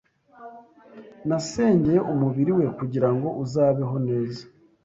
Nasengeye umubiri we, kugirango uzabeho neza